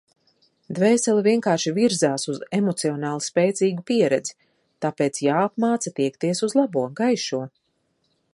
Dvēsele vienkārši virzās uz emocionāli spēcīgu pieredzi... Tāpēc jāapmāca tiekties uz labo, gaišo.